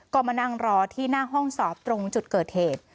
ก็มานั่งรอที่หน้าห้องสอบตรงจุดเกิดเหตุ